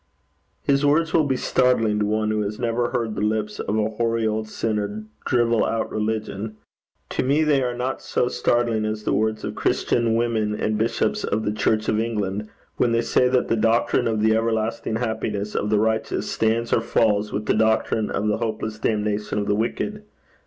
His words will be startling to one who has never heard the lips of a hoary old sinner drivel out religion. To me they are not so startling as the words of Christian women and bishops of the Church of England, when they say that the doctrine of the everlasting happiness of the righteous stands or falls with the doctrine of the hopeless damnation of the wicked.